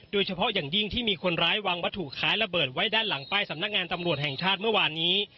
โดยเฉพาะอย่างยิ่งที่มีคนร้ายวางวัตถุคล้ายระเบิดไว้ด้านหลังป้ายสำนักงานตำรวจแห่งชาติเมื่อวานนี้